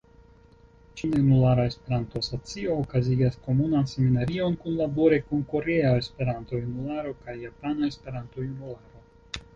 Ĉina Junulara Esperanto-Asocio okazigas Komunan Seminarion kunlabore kun Korea Esperanto-Junularo kaj Japana Esperanto-Junularo.